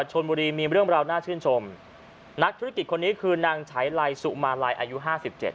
ชนบุรีมีเรื่องราวน่าชื่นชมนักธุรกิจคนนี้คือนางฉายไลสุมาลัยอายุห้าสิบเจ็ด